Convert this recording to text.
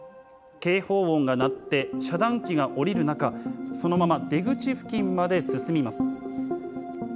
警報音が鳴って遮断機が下りる中、そのまま出口付近まで進みます。